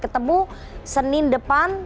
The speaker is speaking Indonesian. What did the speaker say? ketemu senin depan